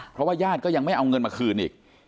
เพราะว่าญาติก็ยังไม่เอาเงินมาคืนอีก